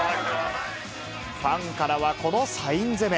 ファンからはこのサイン攻め。